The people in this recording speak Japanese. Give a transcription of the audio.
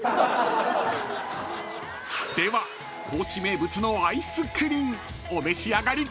［では高知名物のアイスクリン］